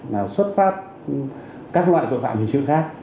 là xuất phát các loại tội phạm hình sự khác